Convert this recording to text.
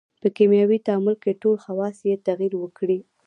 په کیمیاوي تعامل کې ټول خواص یې تغیر وکړي.